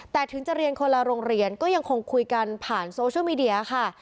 แต่ถึงจะเรียนคนละโรงเรียนก็ยังคงคุยกันผ่านโซเชียลมีเดียค่ะ